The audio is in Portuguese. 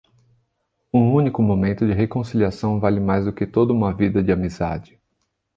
Um único momento de reconciliação vale mais do que toda uma vida de amizade.